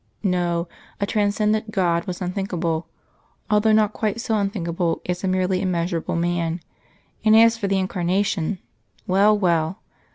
No a transcendent God was unthinkable, although not quite so unthinkable as a merely immeasurable Man. And as for the Incarnation well, well!